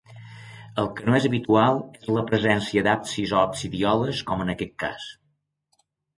El que no és habitual és la presència d'absis o absidioles, com en aquest cas.